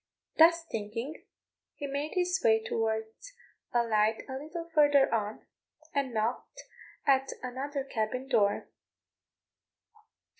Thus thinking, he made his way towards a light a little further on, and knocked at another cabin door.